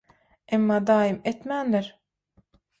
emma daýym etmändir.